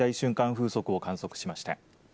風速を観測しました。